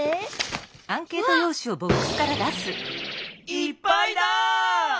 いっぱいだ！